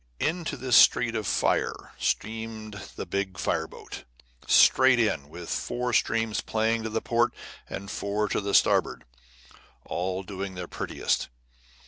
Into this street of fire steamed the big fire boat, straight in, with four streams playing to port and four to starboard, all doing their prettiest.